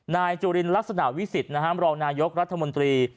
นายจุลินลักษณะวิสิทธิ์มรองนายกรัฐมนตรี